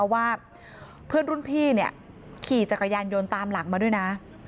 ว่าเพื่อนรุ่นพี่ขี่จักรยานยนต์ตามหลังมาด้วยนะ